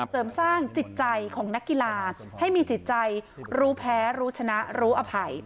เสริมสร้างจิตใจของนักกีฬาให้มีจิตใจรู้แพ้รู้ชนะรู้อภัย